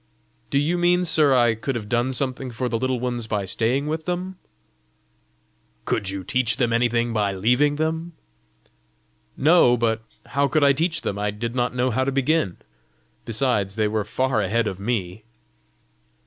"Do you mean, sir, I could have done something for the Little Ones by staying with them?" "Could you teach them anything by leaving them?" "No; but how could I teach them? I did not know how to begin. Besides, they were far ahead of me!"